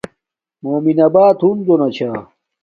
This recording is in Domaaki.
مومن آبات ہنزو نا چھا